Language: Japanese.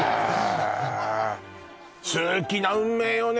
へえ数奇な運命よね